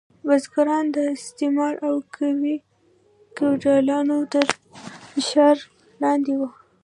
بزګران د استثمار او فیوډالانو تر فشار لاندې وو.